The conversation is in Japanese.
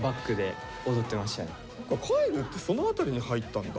海琉ってその辺りに入ったんだ？